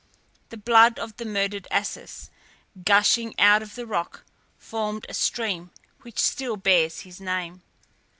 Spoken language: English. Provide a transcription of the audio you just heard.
The blood of the murdered Acis, gushing out of the rock, formed a stream which still bears his name.